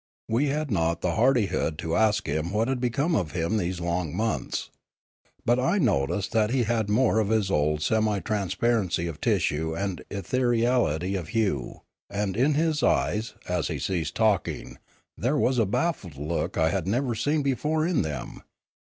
We had not the hardihood to ask him what had become of him these lopg months. But I noticed that he had more of his old semi transparency of tissue and ethereality of hue, and in his eyes, as he ceased from talking, there was a baffled look I had never seen before in them.